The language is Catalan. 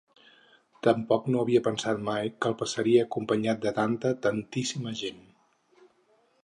Tampoc no havia pensat mai que el passaria acompanyat de tanta, tantíssima gent.